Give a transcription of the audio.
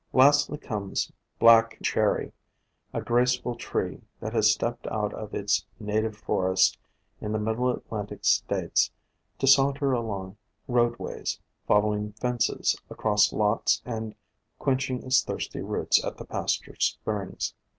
Lastly comes Black Wlto ctfe fifty Cherry, a graceful tree, that has stepped out of its native forest in the Middle Atlantic States to saunter along roadways, following fences across lots and quenching its thirsty roots at the pasture springs.